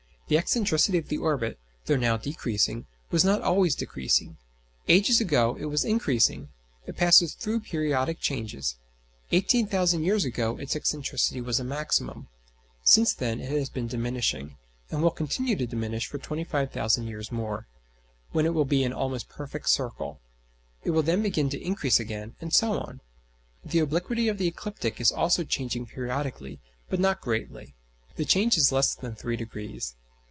The excentricity of the orbit, though now decreasing, was not always decreasing; ages ago it was increasing: it passes through periodic changes. Eighteen thousand years ago its excentricity was a maximum; since then it has been diminishing, and will continue to diminish for 25,000 years more, when it will be an almost perfect circle; it will then begin to increase again, and so on. The obliquity of the ecliptic is also changing periodically, but not greatly: the change is less than three degrees.